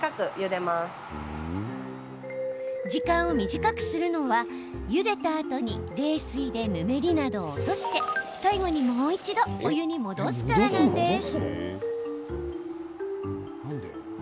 時間を短くするのはゆでたあとに冷水でぬめりなどを落として最後にもう一度お湯に戻すからなんです。